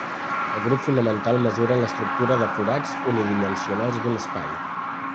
El grup fonamental mesura l'estructura de forats unidimensionals d'un espai.